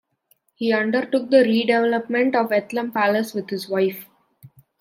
He undertook the redevelopment of Eltham Palace with his wife.